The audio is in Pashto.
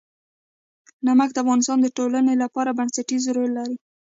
نمک د افغانستان د ټولنې لپاره بنسټيز رول لري.